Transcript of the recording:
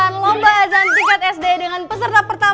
asalamualaikum warahmatullahi wabarakatuh